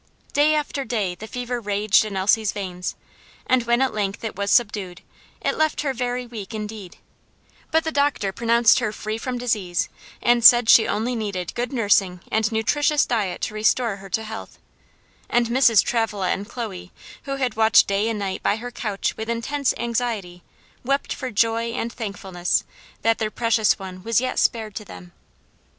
Day after day the fever raged in Elsie's veins, and when at length it was subdued, it left her very weak indeed; but the doctor pronounced her free from disease, and said she only needed good nursing and nutritious diet to restore her to health; and Mrs. Travilla and Chloe, who had watched day and night by her couch with intense anxiety, wept for joy and thankfulness that their precious one was yet spared to them.